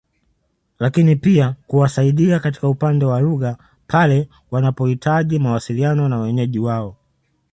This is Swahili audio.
Lakini pia kuwasaidia katika upande wa lugha pale wanapohitaji mawasiliano na wenyeji wao